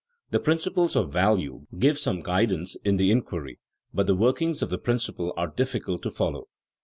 The principles of value give some guidance in the inquiry, but the workings of the principle are difficult to follow.